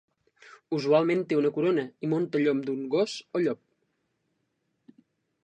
Usualment té una corona i munta a llom d'un gos o llop.